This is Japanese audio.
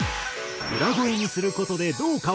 裏声にする事でどう変わるのか？